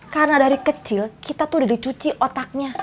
karena dari kecil kita tuh udah dicuci otaknya